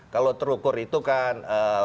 kalau terukur itu kan